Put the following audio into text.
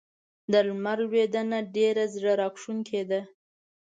د لمر لوېدنه ډېره زړه راښکونکې ده.